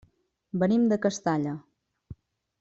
Venim de Castalla.